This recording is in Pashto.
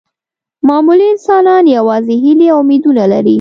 معمولي انسانان یوازې هیلې او امیدونه لري.